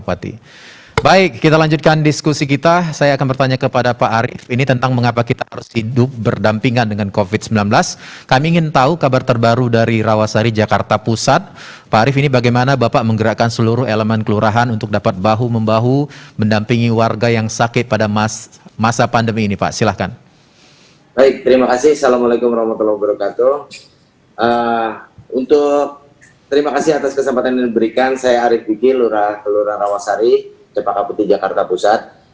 untuk terima kasih atas kesempatan yang diberikan saya arief biki kelurahan rawasari cepakaputi jakarta pusat